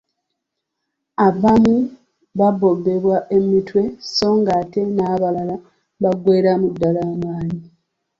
Abamu babobbebwa emitwe so ng'ate n'abalala baggweeramu ddala amaanyi.